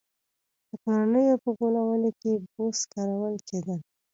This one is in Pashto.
د کورونو په غولي کې بوس کارول کېدل.